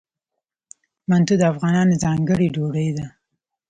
منتو د افغانانو ځانګړې ډوډۍ ده.